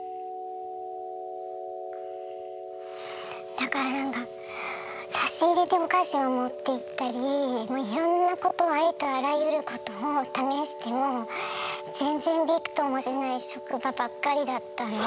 だからなんか差し入れでお菓子を持っていったりもういろんなことをありとあらゆることを試しても全然びくともしない職場ばっかりだったので。